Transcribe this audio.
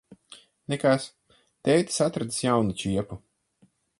Nekas. Tētis atradis jaunu čiepu.